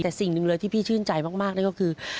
แต่สิ่งหนึ่งเลยที่พี่ชื่นใจมากนั่นก็คือ